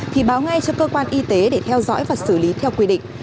thì báo ngay cho cơ quan y tế để theo dõi và xử lý theo quy định